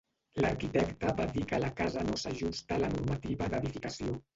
L'arquitecte va dir que la casa no s'ajusta a la normativa d'edificació.